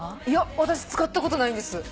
いや私使ったことないんです。